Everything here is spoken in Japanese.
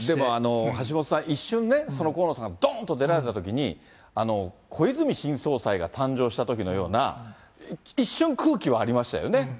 橋下さん、一瞬ね、その河野さん、どんと出られたときに、小泉新総裁が誕生したときのような、一瞬、空気はありましたよね。